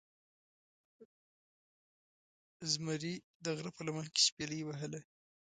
زمرې دغره په لمن کې شپیلۍ وهله